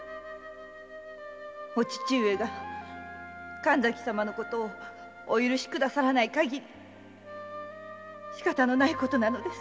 〔お父上が神崎様のことをお許しくださらない限りしかたのないことなのです〕